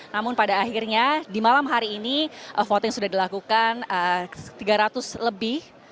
namun pada akhirnya di malam hari ini voting sudah dilakukan tiga ratus lebih